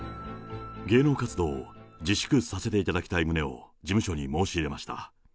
芸能活動を自粛させていただきたい旨を、事務所に申し入れました。